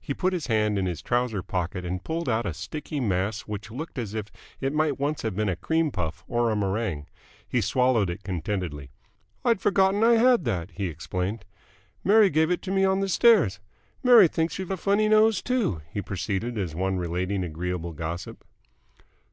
He put his hand in his trouser pocket and pulled out a sticky mass which looked as if it might once have been a cream puff or a meringue. He swallowed it contentedly. "I'd forgotten I had that," he explained. "Mary gave it to me on the stairs. Mary thinks you've a funny nose, too," he proceeded, as one relating agreeable gossip.